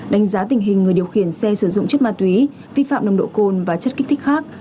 đánh giá tình hình người điều khiển xe sử dụng chất ma túy vi phạm nồng độ cồn và chất kích thích khác